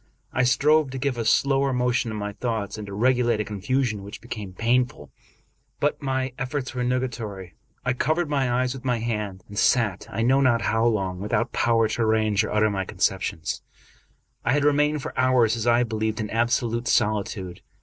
I strove to give a slower motion to my thoughts, and to regulate a confusion which became painful; but my efiforts were nugatory. I covered my eyes with my hand, and sat, I know not how long, with out power to arrange or utter my conceptions, I had remained for hours, as I believed, in absolute soli tude.